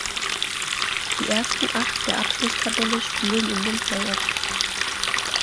Die ersten Acht der Abschlusstabelle spielen in den Play-offs.